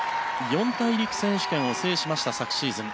四大陸選手権を制しました昨シーズン